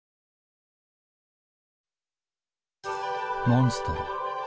モンストロ。